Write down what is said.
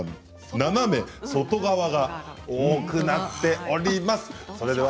斜めと外側が多くなっています。